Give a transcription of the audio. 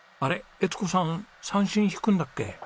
江津子さん三線弾くんだっけ？